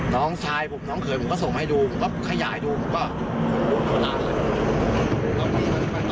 น้องชายผมน้องเขยผมก็ส่งให้ดูผมก็ขยายดูผมก็โดนหัวหน้าเลย